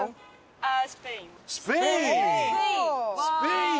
スペイン！